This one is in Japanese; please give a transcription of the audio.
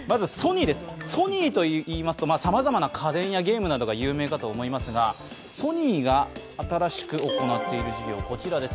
ソニーといいますと、さまざまな家電やゲームが有名だと思いますがソニーが新しく行っている事業、こちらです。